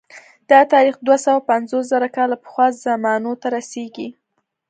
دا تاریخ دوه سوه پنځوس زره کاله پخوا زمانو ته رسېږي